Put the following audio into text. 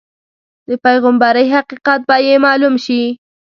د پیغمبرۍ حقیقت به یې معلوم شي.